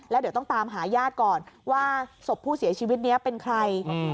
แล้วเดี๋ยวต้องตามหาญาติก่อนว่าศพผู้เสียชีวิตนี้เป็นใคร